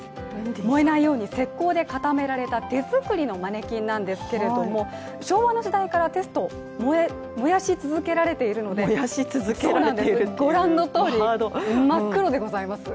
燃えないように石膏で固められた手作りのマネキンなんですけれども昭和の時代からテスト燃やし続けられているのでご覧のとおり、真っ黒でございます。